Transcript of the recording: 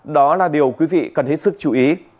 đó là điều quý vị cần hết sức chú ý